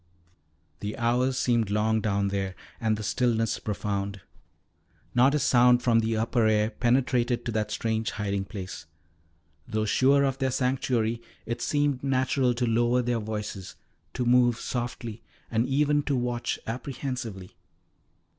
The hours seemed long down there and the stillness profound. Not a sound from the upper air penetrated to that strange hiding place. Though sure of their sanctuary, it seemed natural to lower their voices, to move softly, and even to watch apprehensively.